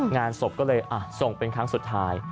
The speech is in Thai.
งานศพก็เลยส่งเป็นครั้งสุดท้าย